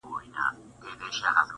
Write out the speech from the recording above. شمع نه په زړه کي دښمني لري٫